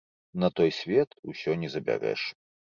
На той свет усё не забярэш.